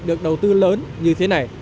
được đầu tư lớn như thế này